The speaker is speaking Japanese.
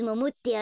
あ。